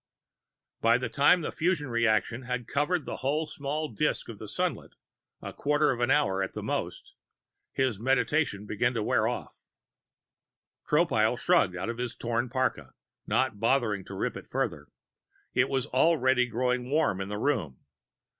By the time the fusion reaction had covered the whole small disk of the sunlet, a quarter hour at the most, his meditation began to wear off. Tropile shrugged out of his torn parka, not bothering to rip it further. It was already growing warm in the room.